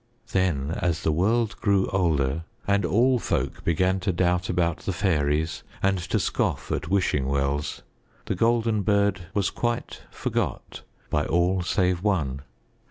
Then as the world grew older and all folk began to doubt about the fairies and to scoff at wishing wells, The Golden Bird was quite forgot by all save one.